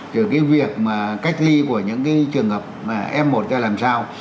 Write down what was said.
cái việc mà cách thi của những trường hợp f một ta làm sao